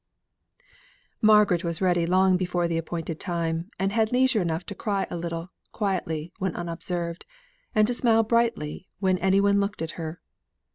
Margaret was ready long before the appointed time, and had leisure enough to cry a little, quietly, when unobserved, and to smile brightly when any one looked at her.